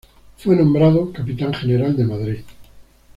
Fue nombrado capitán general de Madrid.